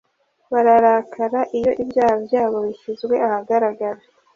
Bararakara iyo ibyaha byabo bishyizwe ahagaragara,